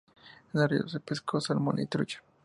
En el río se pesca salmón y trucha.